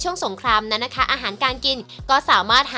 แล้วพวกมันกินจาจังแม่งของพวกมัน